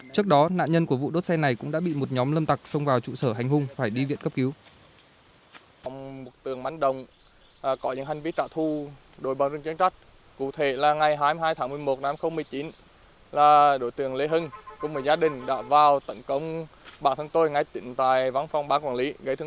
trước đó nạn nhân của vụ đốt xe này cũng đã bị một nhóm lâm tặc xông vào trụ sở hành hung phải đi viện cấp cứu